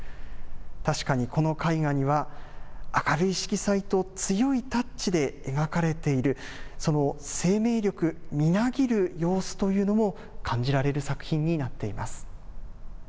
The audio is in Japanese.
確かにこの絵画には、明るい色彩と、強いタッチで描かれている、その生命力、みなぎる様子というのも感じられる作品になっています。